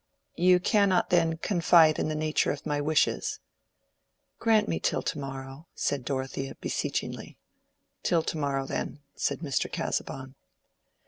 "You cannot then confide in the nature of my wishes?" "Grant me till to morrow," said Dorothea, beseechingly. "Till to morrow then," said Mr. Casaubon.